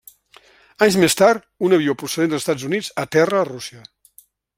Anys més tard, un avió procedent dels Estats Units aterra a Rússia.